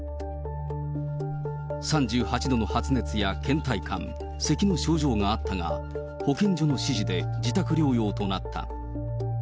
３８度の発熱やけん怠感、せきの症状があったが、保健所の指示で自宅療養となった。